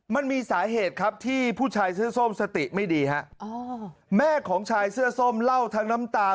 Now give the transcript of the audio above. มันมีสาเหตุครับที่ผู้ชายเสื้อส้มสติไม่ดีฮะอ๋อแม่ของชายเสื้อส้มเล่าทั้งน้ำตา